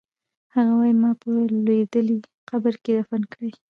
هغه وایی ما په لوېدلي قبر کې دفن کړئ